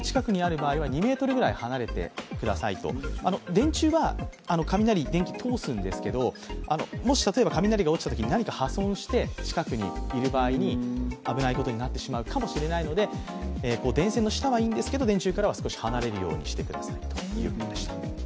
電柱は雷を通すんですけどもし例えば雷が落ちたときに何か破損して、近くにいる場合に危ないことになってしまうかもしれないので、電線の下はいいんですけど電柱からは少し離れるようにしてくださいということでした。